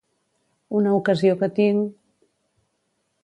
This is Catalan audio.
Una ocasió que tinc….